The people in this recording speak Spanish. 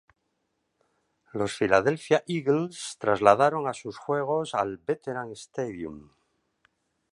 Los Philadelphia Eagles trasladaron a sus juegos al Veterans Stadium.